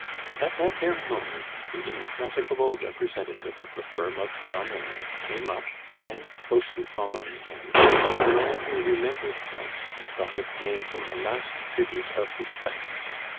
At that very moment the indefatigable representative of the firm of Sonet came up, and, closely following him, the man who remembered Pons and thought of paying him a last tribute of respect.